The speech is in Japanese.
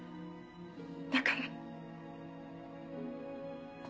だから。